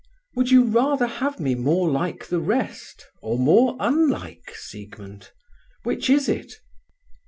"Would you rather have me more like the rest, or more unlike, Siegmund? Which is it?"